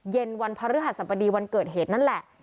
เย็นวันพระฤหัสบดีวันเกิดเหตุนั่นแหละ